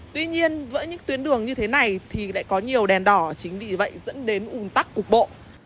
tuy nhiên với những tuyến đường như thế này thì lại có nhiều đèn đỏ chính vì vậy dẫn đến ủng tắc cục bộ